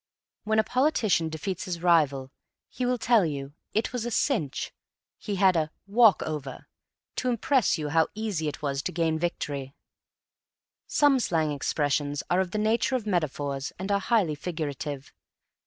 When a politician defeats his rival he will tell you "it was a cinch," he had a "walk over," to impress you how easy it was to gain the victory. Some slang expressions are of the nature of metaphors and are highly figurative.